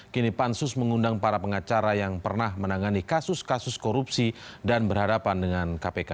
kini pansus mengundang para pengacara yang pernah menangani kasus kasus korupsi dan berhadapan dengan kpk